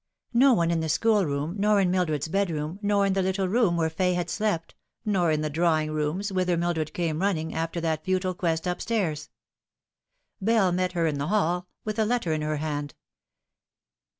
No one in the schoolroom, nor in Mildred's bedroom, nor in the little room where Fay had slept, nor in the drawing rooms, whither Mildred came running, after that futile quest up stairs. Bell met her in the hall, with a letter in her hand.